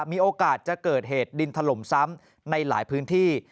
มีโอกาสจะเกิดเหตุดินถล่มซ้ำในหลายพื้นที่